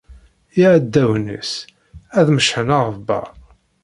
Iɛdawen-is ad d-mecḥen aɣebbar.